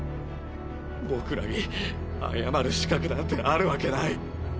僕らに謝る資格なんてあるわけない。